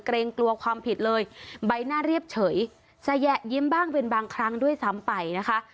เกรงกลัวความผิดเลยใบหน้าเรียบเฉยจะแยะยิ้มบ้างเป็นบางครั้งด้วยซ้ำไปนะคะ